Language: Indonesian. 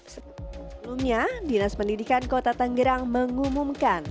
sebelumnya dinas pendidikan kota tanggerang mengumumkan